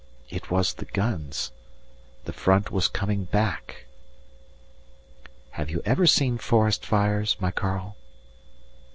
It was the guns! The front was coming back. Have you ever seen forest fires, my Karl?